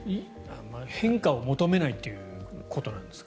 変化を求めないということなんですか？